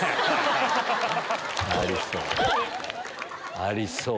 ありそう。